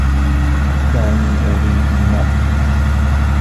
دعني أضيف الماء.